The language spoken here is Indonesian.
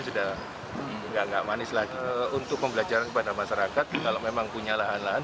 sudah enggak manis lagi untuk pembelajaran kepada masyarakat kalau memang punya lahan lahan